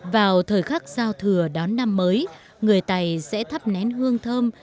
vào thời khắc giao thừa đón năm mới người tày sẽ thắp nén hương thơm